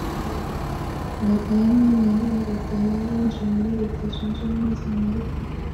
Leta ya Maine yabaye leta ya yinjiye muri Leta Zunze Ubumwe za Amerika